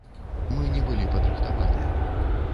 Мы не былі падрыхтаваныя.